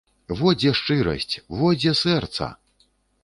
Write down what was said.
Во дзе шчырасць, во дзе сэрца!